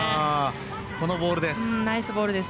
このボールです。